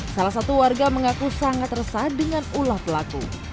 salah satu warga mengaku sangat resah dengan ulah pelaku